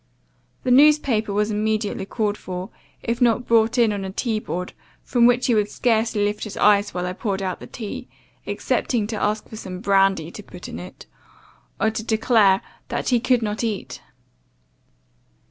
The newspaper was immediately called for, if not brought in on the tea board, from which he would scarcely lift his eyes while I poured out the tea, excepting to ask for some brandy to put into it, or to declare that he could not eat.